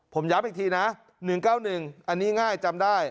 ผมย้ำอีกทีนะ๑๙๑อันนี้ง่ายจำได้